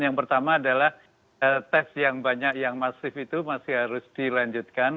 yang pertama adalah tes yang banyak yang masif itu masih harus dilanjutkan